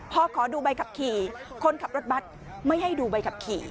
พอขอดูใบขับขี่คนขับรถบัตรไม่ให้ดูใบขับขี่